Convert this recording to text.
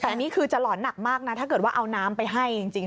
แต่นี่คือจะหลอนหนักมากนะถ้าเกิดว่าเอาน้ำไปให้จริง